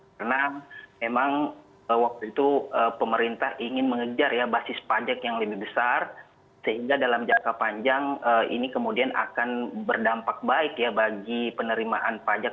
karena memang waktu itu pemerintah ingin mengejar basis pajak yang lebih besar sehingga dalam jangka panjang ini kemudian akan berdampak baik ya bagi penerimaan pajak